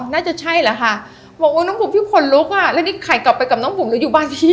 น่าจะใช่แหละค่ะบอกว่าน้องบุ๋มพี่ขนลุกอ่ะแล้วนี่ไข่กลับไปกับน้องบุ๋มหรืออยู่บ้านที่